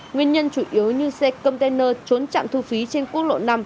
nguyên nhân chủ yếu như xe container trốn chạm thu phí trên quốc lộ năm